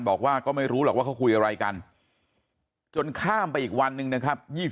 บอกว่าก็ไม่รู้หรอกว่าเขาคุยอะไรกันจนข้ามไปอีกวันหนึ่งนะครับ